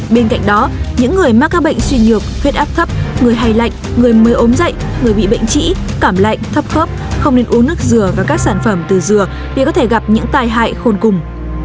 bên cạnh đó những người mắc các bệnh suy nhược huyết áp thấp người hay lạnh người mới ốm dậy người bị bệnh trĩ cảm lạnh thấp khớp không nên uống nước dừa và các sản phẩm từ dừa để có thể gặp những tai hại khôn cùng